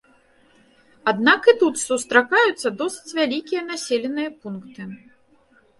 Аднак і тут сустракаюцца досыць вялікія населеныя пункты.